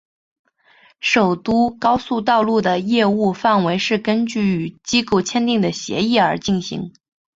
首都高速道路的业务范围是根据与机构签订的协定而进行。